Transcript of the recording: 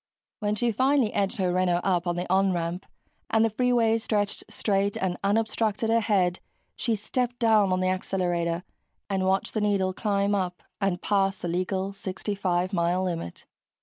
When she finally edged her Renault up on the "on" ramp and the freeway stretched straight and unobstructed ahead, she stepped down on the accelerator and watched the needle climb up and past the legal 65 mile limit.